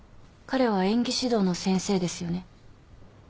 彼は演技指導の先生ですよね？